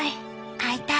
会いたい